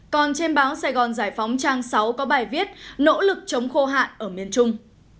còn trên báo sài gòn giải phóng trang sáu có bài viết nỗ lực chống khô hạn ở miền trung